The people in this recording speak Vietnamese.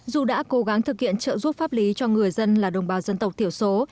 dù đã cố gắng thực hiện trợ giúp pháp lý cho người dân là đồng bào dân tộc thiểu số